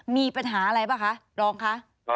มีปัญหาอะไรป่ะคะรองคะ